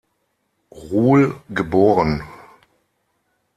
Ruhl geboren.